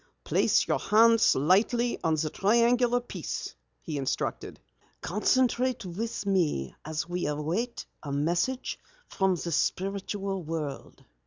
"Place your hands lightly on the triangular piece," he instructed. "Concentrate with me as we await a message from the spiritual world."